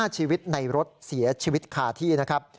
ชีวิตในรถเสียชีวิตคาที่นะครับ